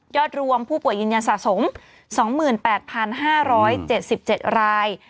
รวมผู้ป่วยยืนยันสะสม๒๘๕๗๗ราย